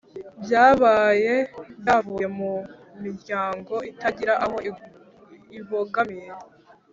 byabaye byavuye mu miryango itagira aho ibogamiye